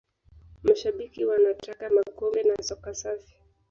mashabiki wa nataka makombe na soka safi